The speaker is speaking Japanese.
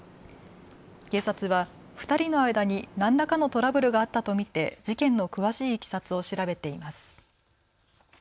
警察は２人の間に何らかのトラブルがあったと見て事件の詳しいいきさつを調べています。